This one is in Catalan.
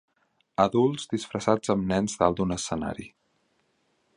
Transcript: Adults disfressats amb nens dalt d'un escenari.